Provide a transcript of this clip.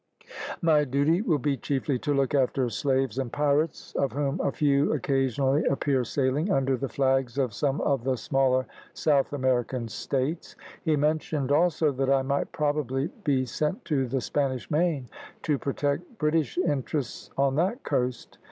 "My duty will be chiefly to look after slaves and pirates, of whom a few occasionally appear sailing under the flags of some of the smaller South American States; he mentioned also, that I might probably be sent to the Spanish Main to protect British interests on that coast.